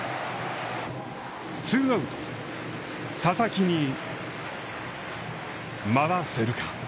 ツーアウト、佐々木に回せるか。